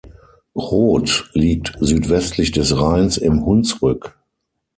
Roth liegt südwestlich des Rheins im Hunsrück.